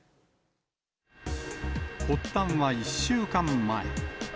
発端は１週間前。